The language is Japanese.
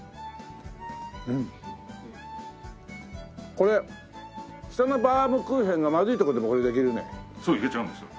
これ下のバウムクーヘンがまずいとこでもこれでいけるね。